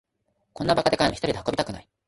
こんなバカでかいのひとりで運びたくない